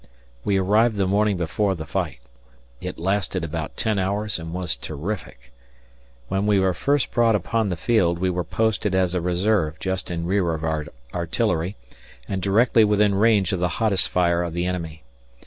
We arrived the morning before the fight. It lasted about ten hours and was terrific. When we were first brought upon the field we were posted as a reserve just in rear of our artillery and directly within range of the hottest fire of the enemy.